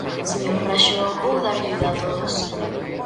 Señor Raxó, vou darlle datos.